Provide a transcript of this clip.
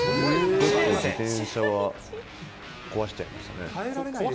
結構自転車は壊しちゃいましたね。